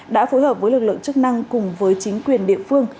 đã phối hợp với lực lượng chức năng cùng với chính quyền địa phương